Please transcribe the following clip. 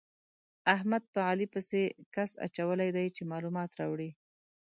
احمد په علي پسې کس اچولی دی چې مالومات راوړي.